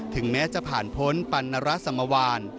ถึงแม้จะผ่านพ้นปันนรสมวาน